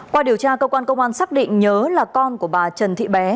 qua điều tra cơ quan công an xác định nhớ là con của bà trần thị bé